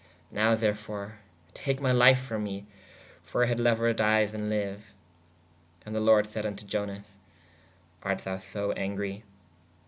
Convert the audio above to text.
Now therfore take my life from me/ for I had leuer dye then liue. And the lorde said vn to Ionas/ art thou so angrie?